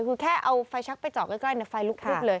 คือแค่เอาไฟชักไปเจาะใกล้ไฟลุกพลึบเลย